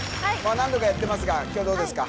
何度かやってますが今日どうですか？